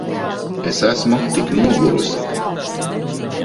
Es esmu tik nogurusi.